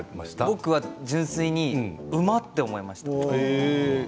僕は純粋にうま！って思いました。